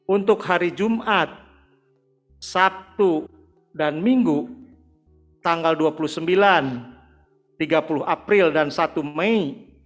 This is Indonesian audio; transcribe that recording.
untuk hari jumat sabtu dan minggu tanggal dua puluh sembilan tiga puluh april dan satu mei dua ribu dua puluh dua